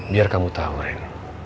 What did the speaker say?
biar kamu tau ren